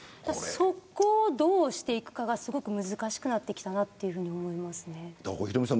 そこをどうしていくかが難しくなってきたなと思います。